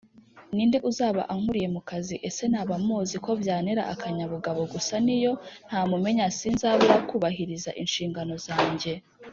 Ni nde uzaba ankuriye mu kazi ese naba muzi ko byantera akanyabugabo gusa niyo ntamumenya sinzabuzra kubahiriza inshingano zanjye.